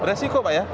berisiko pak ya